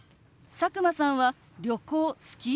佐久間さんは旅行好き？